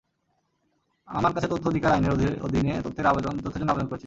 আমার কাছে তথ্য অধিকার আইনের অধীনে তথ্যের জন্য অবেদন করেছিল।